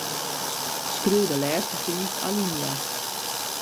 Skriuw de lêste fiif alinea's.